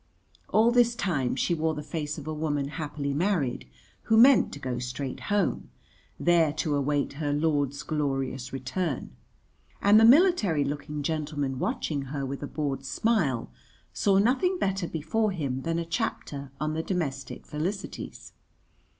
All this time she wore the face of a woman happily married who meant to go straight home, there to await her lord's glorious return; and the military looking gentleman watching her with a bored smile saw nothing better before him than a chapter on the Domestic Felicities.